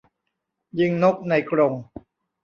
ยิงนกในกรง